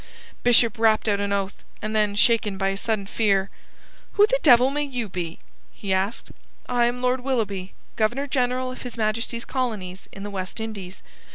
Bishop rapped out an oath, and then, shaken by a sudden fear: "Who the devil may you be?" he asked. "I am Lord Willoughby, Governor General of His Majesty's colonies in the West Indies.